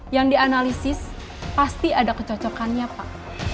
yang dianalisis pasti ada kecocokannya pak